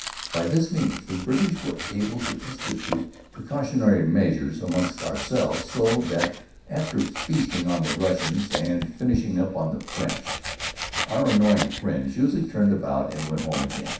By this means we British were able to institute precautionary measures amongst ourselves so that after feasting on the Russians and finishing up upon the French, our annoying friends usually turned about and went home again.